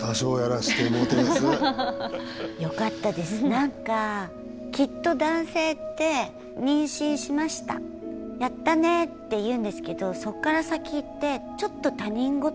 何かきっと男性って妊娠しました「やったね」って言うんですけどそっから先ってちょっと他人事っぽくなるっていうか。